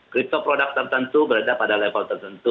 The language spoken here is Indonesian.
kripto produk tertentu berada pada level